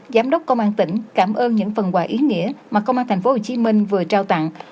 giám đốc công an tỉnh cảm ơn những phần quà ý nghĩa mà công an tp hcm vừa trao tặng